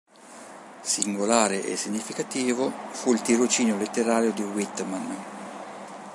Singolare e significativo fu il tirocinio letterario di Whitman.